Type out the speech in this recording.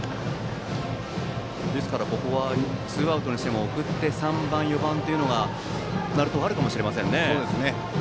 ここはツーアウトにしても送って３番、４番というのが鳴門はあるかもしれませんね。